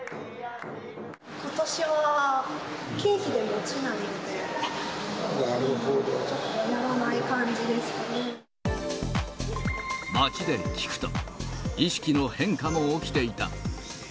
ことしは経費で落ちないので、街で聞くと、意識の変化も起きていた。